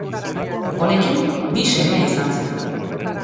Honekin, bi seme izan zituen.